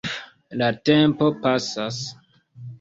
La tempo pasas.